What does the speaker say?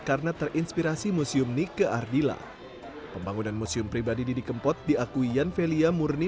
karena terinspirasi museum nike ardila pembangunan museum pribadi didi kempot diakui yan velia murni